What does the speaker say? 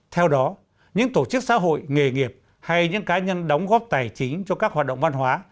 theo đó những tổ chức xã hội nghề nghiệp hay những cá nhân đóng góp tài chính cho các hoạt động văn hóa